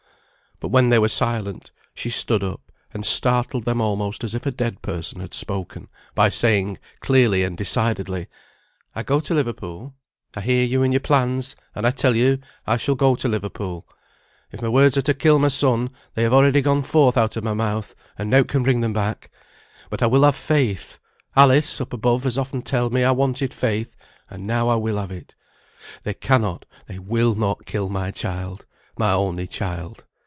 But when they were silent she stood up, and startled them almost as if a dead person had spoken, by saying clearly and decidedly "I go to Liverpool. I hear you and your plans; and I tell you I shall go to Liverpool. If my words are to kill my son, they have already gone forth out of my mouth, and nought can bring them back. But I will have faith. Alice (up above) has often telled me I wanted faith, and now I will have it. They cannot they will not kill my child, my only child.